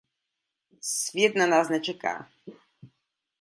Svět na nás nečeká.